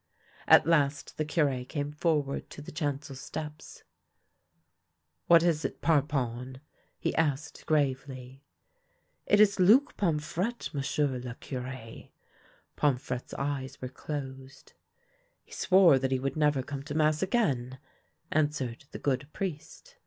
At last the Cure came forward to the chancel steps. " What is it, Parpon ?" he asked gravely. " It is Luc Pomfrette, m'sieu' le Cure." Pomfrette's eyes were closed. " He swore that he would never come to mass again," answered the good priest.